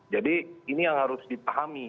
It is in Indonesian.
jadi ini yang harus dipahami